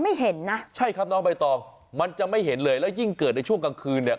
เห็นนะใช่ครับน้องใบตองมันจะไม่เห็นเลยแล้วยิ่งเกิดในช่วงกลางคืนเนี่ย